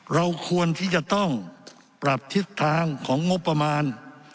เราควรที่จะต้องปรับทิศทางของงบประมาณ